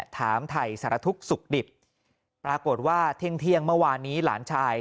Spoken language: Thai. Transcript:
ถามไทยสารทุกข์สุขดิบปรากฏว่าเที่ยงเที่ยงเมื่อวานนี้หลานชาย